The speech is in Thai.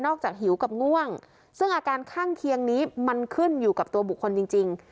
จากหิวกับง่วงซึ่งอาการข้างเคียงนี้มันขึ้นอยู่กับตัวบุคคลจริง